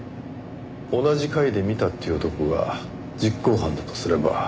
同じ階で見たっていう男が実行犯だとすれば。